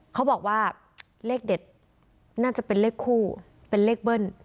เขาบอกว่าเลขเด็ดน่าจะเป็นเลขคู่เป็นเลขเบิ้ล